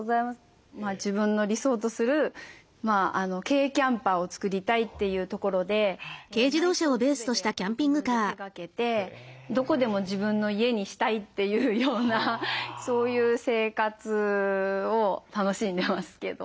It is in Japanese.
自分の理想とする軽キャンパーを作りたいというところで内装を全てやっぱり自分で手がけてどこでも自分の家にしたいというようなそういう生活を楽しんでますけど。